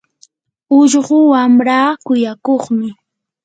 ullqu wamraa kuyakuqmi.